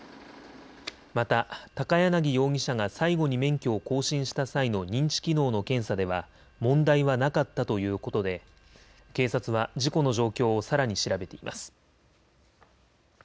また高やなぎ容疑者が最後に免許を更新した際の認知機能の検査では問題はなかったということで警察は事故の状況をさらに調べています。